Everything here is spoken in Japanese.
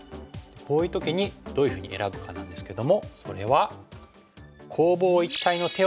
こういう時にどういうふうに選ぶかなんですけどもそれは。